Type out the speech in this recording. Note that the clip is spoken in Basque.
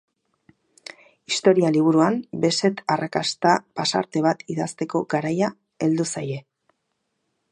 Historia liburuan beset arrakasta pasarte bat idazteko garaia heldu zaie.